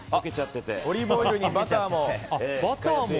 オリーブオイルにバターも。